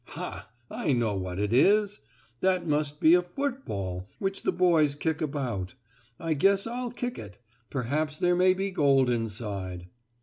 Ha! I know what it is. That must be a football which the boys kick about. I guess I'll kick it. Perhaps there may be gold inside."